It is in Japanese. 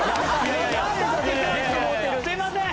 すいません！